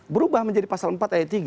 berubah menjadi pasal empat ayat tiga